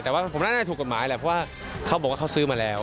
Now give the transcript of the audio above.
แต่ว่าผมน่าจะถูกกฎหมายแหละเพราะว่าเขาบอกว่าเขาซื้อมาแล้ว